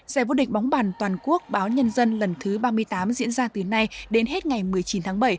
giải vô địch bóng bàn toàn quốc báo nhân dân lần thứ ba mươi tám diễn ra từ nay đến hết ngày một mươi chín tháng bảy